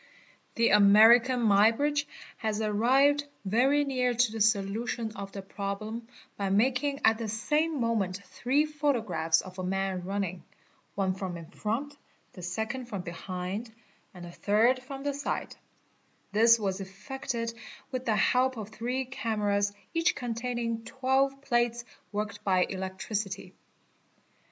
The — American Muybridge has arrived very near to the solution of the problem by making at the same moment three photographs of a man running, one _ from in front, the second from behind, and the third from the side; this was effected with the help of three cameras each containing 12 plates — worked by electricity.